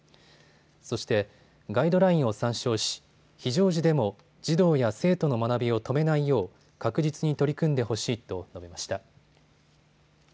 そして、ガイドラインを参照し非常時でも児童や生徒の学びを止めないよう確実に取り組んでほしいと述べました。